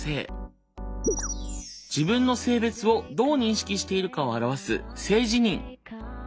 自分の性別をどう認識しているかを表す「性自認」。